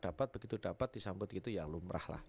dapat begitu dapat disambut gitu ya lumrah lah